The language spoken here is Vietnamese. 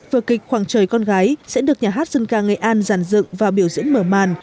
vở kịch khoảng trời con gái sẽ được nhà hát dân ca nghệ an giàn dựng và biểu diễn mở màn